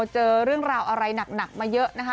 เจอเรื่องราวอะไรหนักมาเยอะนะคะ